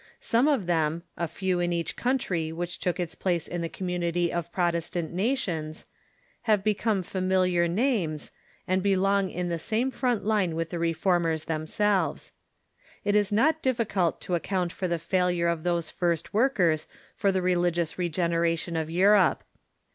Some of them, a few in each country Avhich took its place in the community of Protestant nations, have become familiar names, and belong in the same front line with the Reformers themselves. It is not difficult to account for the failure of those first workers for the relig ious regeneration of Europe.